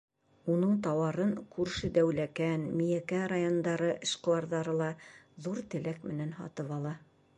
Уның тауарын күрше Дәүләкән, Миәкә райондары эшҡыуарҙары ла ҙур теләк менән һатып ала.